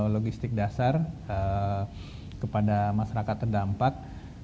logistik dasar kepada masyarakat terdampak